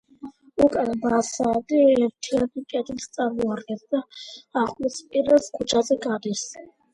უკანა ფასადი ერთიან კედელს წარმოადგენს და ახოსპირელის ქუჩაზე გადის.